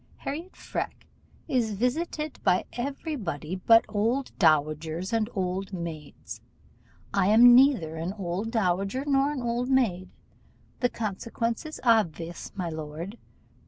Harriot Freke is visited by every body but old dowagers and old maids: I am neither an old dowager nor an old maid the consequence is obvious, my lord.